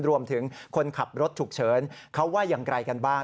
รวมถึงคนขับรถฉุกเฉินเขาว่ายังไกลกันบ้าง